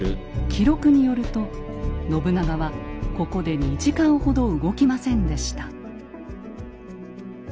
記録によると信長はここで２時間ほど動きませんでした。